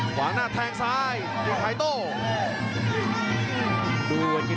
ขวาหน้าแทงซ้าย